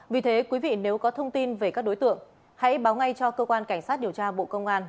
vì thế quý vị nếu có thông tin về các đối tượng hãy báo ngay cho cơ quan cảnh sát điều tra bộ công an